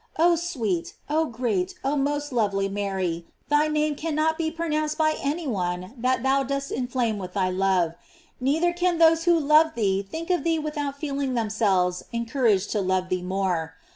Oh sweet, oh great, oh most lovely Mary, thy name can not be pronounced by any one that thou dost inflame with thy love; neither can those who love thee think of thee without feeling them selves encouraged to love thee more.